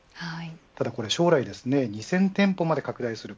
ただ、これ将来２０００店舗まで拡大する。